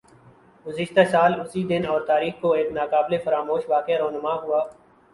گزشتہ سال اسی دن اور تاریخ کو ایک نا قابل فراموش واقعہ رونما ھوا